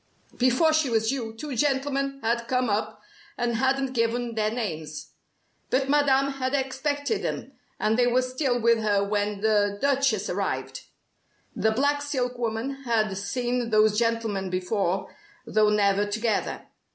Before she was due two gentlemen had come up and hadn't given their names. But Madame had expected them, and they were still with her when the Duchess arrived. The black silk woman had seen those gentlemen before, though never together.